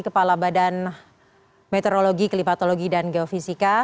kepala badan meteorologi klimatologi dan geofisika